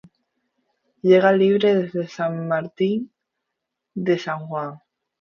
Llega libre desde San Martín de San Juan.